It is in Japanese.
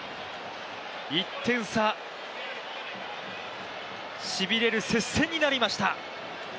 １点差、しびれる接戦になりました。